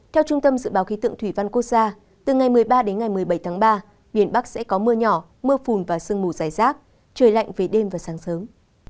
theo trung tâm dự báo khí tượng thủy văn quốc gia từ ngày một mươi ba đến ngày một mươi bảy tháng ba miền bắc sẽ có mưa nhỏ mưa phùn và sương mù dài rác trời lạnh về đêm và sáng sớm